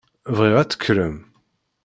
Bɣiɣ ad tekkrem.